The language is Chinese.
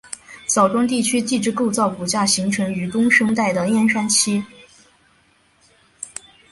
枣庄地区地质构造骨架形成于中生代的燕山期。